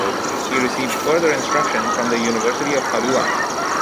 He received further instruction from the University of Padua.